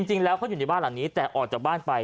จริงแล้วเขาอยู่ในบ้านหลังนี้แต่ออกจากบ้านไป